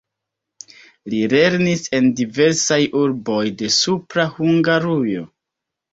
Li lernis en diversaj urboj de Supra Hungarujo.